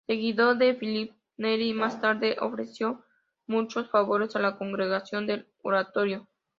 Seguidor de Filippo Neri, más tarde ofreció "muchos favores" a la Congregación del Oratorio.